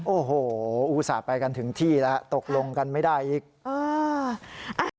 โอ้โหอุตส่าห์ไปกันถึงที่แล้วตกลงกันไม่ได้อีก